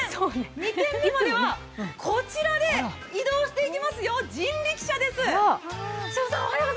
２軒目はこちらで移動していきますよ、人力車です。